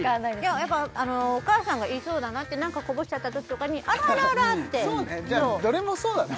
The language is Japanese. やっぱお母さんが言いそうだな何かこぼしちゃったときとかに「あらあらあら」ってそうね